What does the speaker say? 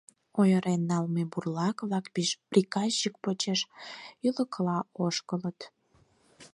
Ойырен налме бурлак-влак приказчик почеш ӱлыкыла ошкылыт.